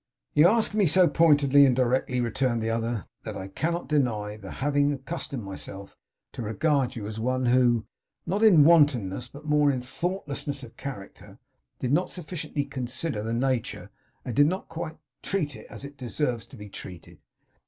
'You ask me so pointedly and directly,' returned the other, 'that I cannot deny the having accustomed myself to regard you as one who, not in wantonness but in mere thoughtlessness of character, did not sufficiently consider his nature and did not quite treat it as it deserves to be treated.